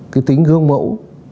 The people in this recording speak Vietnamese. cái tính gương mẫu